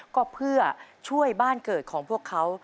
ก็เพื่อช่วยบ้านเกิดของพวกเขา